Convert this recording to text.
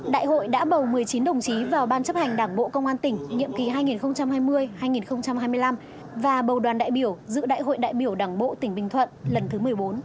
đại hội đã bầu một mươi chín đồng chí vào ban chấp hành đảng bộ công an tỉnh nhiệm kỳ hai nghìn hai mươi hai nghìn hai mươi năm và bầu đoàn đại biểu dự đại hội đại biểu đảng bộ tỉnh bình thuận lần thứ một mươi bốn